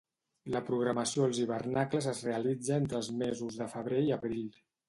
La propagació als hivernacles es realitza entre els mesos de febrer i abril.